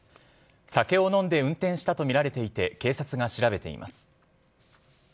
酒を飲んで運転したとみられていて警察が調べています。